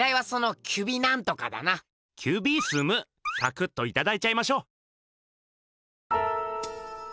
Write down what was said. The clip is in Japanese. サクッといただいちゃいましょう！